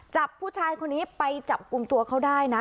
จับผู้ชายคนนี้ไปจับกลุ่มตัวเขาได้นะ